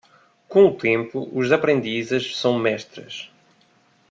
Com o tempo, os aprendizes são mestres.